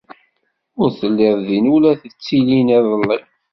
Ur telliḍ din ula d tilin iḍelli.